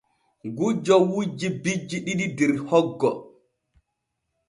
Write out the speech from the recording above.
Gujjo wujji bijji ɗiɗi der hoggo.